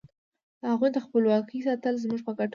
د هغوی د خپلواکۍ ساتل زموږ په ګټه وو.